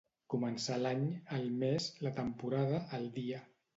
Començar l'any, el mes, la temporada, el dia.